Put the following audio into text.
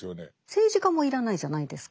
政治家も要らないじゃないですか。